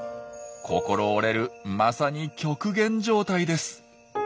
心折れるまさに極限状態です。